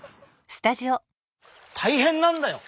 大変なんだよ！